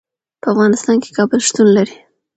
په افغانستان کې کابل شتون لري.